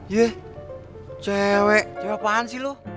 ye cewek cewek apaan sih lu